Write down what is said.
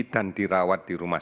dan dirawat di rumah